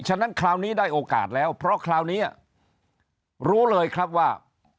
ฉะนั้นคราวนี้ได้โอกาสแล้วเพราะคราวนี้รู้เลยครับว่า